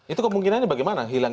itu kemungkinannya bagaimana